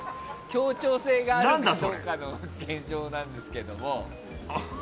協調性があるかどうかの検証なんですけども。